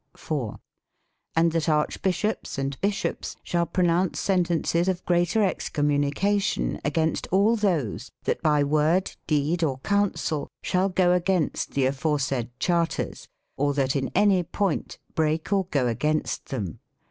" IV. And that archbishops and bishops shall pro nounce sentences of greater excommunication against all those that by word, deed, or counsel shall go against the aforesaid charters, or that in any point break or go against them.